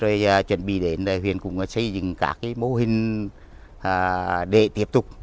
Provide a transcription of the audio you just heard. rồi chuẩn bị đến huyện cũng xây dựng các mô hình để tiếp tục